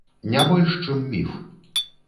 Не больш, чым міф.